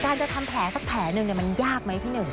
การทำแผงสักแผนึงมันยากไหมพี่หนู